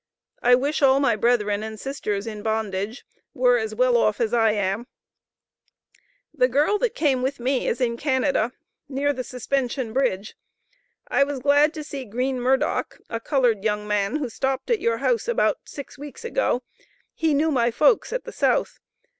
I wish all my brethren and sisters in bondage, were as well off as I am. The girl that came with me is in Canada, near the Suspension Bridge. I was glad to see Green Murdock, a colored young man, who stopped at your house about six weeks ago, he knew my folks at the South.